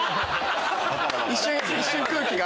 一瞬空気が。